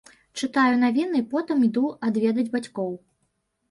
Чытаю навіны, потым іду адведаць бацькоў.